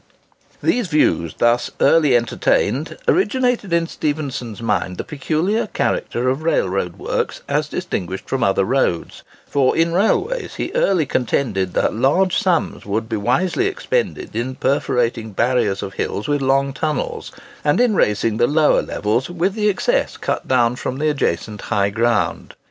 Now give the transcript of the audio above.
These views, thus early entertained, originated in Stephenson's mind the peculiar character of railroad works as distinguished from other roads; for, in railways, he early contended that large sums would be wisely expended in perforating barriers of hills with long tunnels, and in raising the lower levels with the excess cut down from the adjacent high ground.